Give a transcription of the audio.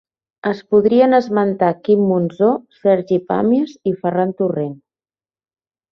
Es podrien esmentar Quim Monzó, Sergi Pàmies i Ferran Torrent.